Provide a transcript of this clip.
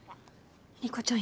理子ちゃん